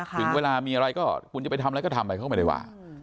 ถึงเวลามีอะไรก็คุณจะไปทำอะไรก็ทำไปเขาก็ไม่ได้ว่า